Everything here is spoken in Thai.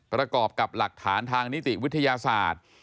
ประกอบกับหลักฐานทางนิติวิทยาศาสตร์